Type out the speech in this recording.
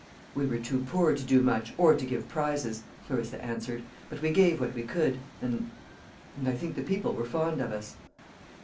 "We were too poor to do much, or to give prizes," Clarissa answered; "but we gave what we could, and and I think the people were fond of us."